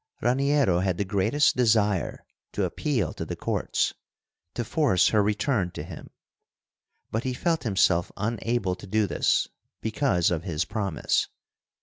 Raniero had the greatest desire to appeal to the courts, to force her return to him, but he felt himself unable to do this because of his promise.